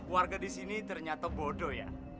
warga di sini ternyata bodoh ya